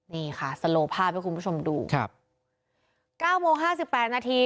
นี่ค่ะสโลภาพให้คุณผู้ชมดูครับเก้าโมงห้าสิบแปดนาที